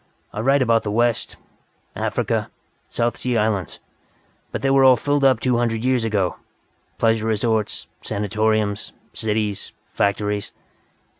I write about the West, Africa, South Sea Islands. But they were all filled up two hundred years ago. Pleasure resorts, sanatoriums, cities, factories."